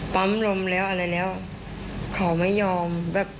ปั๊มลมอะไรแล้วเขาไม่ยอม